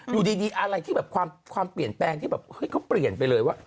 อยู่ดีอะไรที่แบบความเปลี่ยนแปลงที่แบบเฮ้ยเขาเปลี่ยนไปเลยว่า